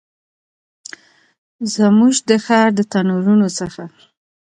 زموږ د ښار د تنورونو څخه